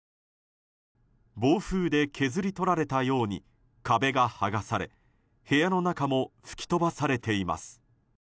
暴風で削り取られたように壁が剥がされ部屋の中も吹き飛ばされています。